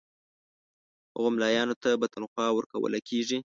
هغو مُلایانو ته به تنخوا ورکوله کیږي.